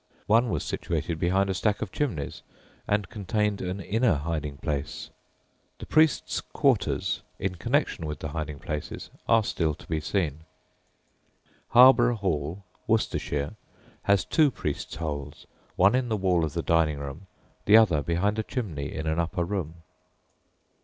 One was situated behind a stack of chimneys, and contained an inner hiding place. The "priests' quarters" in connection with the hiding places are still to be seen. Harborough Hall, Worcestershire, has two "priests' holes," one in the wall of the dining room, the other behind a chimney in an upper room.